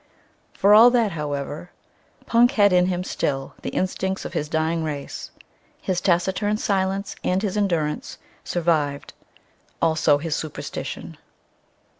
For all that, however, Punk had in him still the instincts of his dying race; his taciturn silence and his endurance survived; also his superstition.